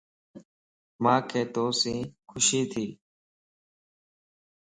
مانک تو سين خوشي ٿي